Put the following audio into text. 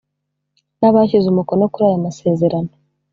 nabashyize umukono kuri aya masezerano.